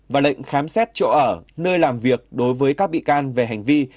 và lệnh khám xét chỗ ở nơi làm việc đối với các bị can về hành vi